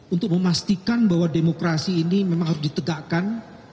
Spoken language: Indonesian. untuk memastikan bahwa demokrasi ini memang harus ditegakkan